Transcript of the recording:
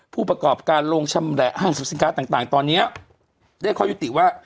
ผู้ประกอบการลงชำแระห้างสินค้าต่างต่างตอนเนี้ยได้คอยุติว่า